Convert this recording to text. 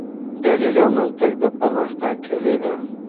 دليل او منطق د پرمختګ کيلي ده.